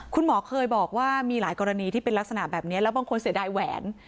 คุณหมอเคยบอกว่ามีหลายกรณีที่เป็นลักษณะแบบนี้แล้วบางคนเสียดายแหวน